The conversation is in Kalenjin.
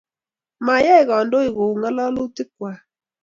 mayai kandoik kou ng'alolutikwak